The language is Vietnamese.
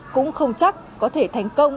cũng không chắc có thể thành công